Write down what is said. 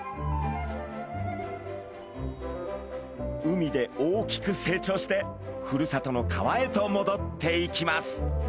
海で大きく成長してふるさとの川へともどっていきます。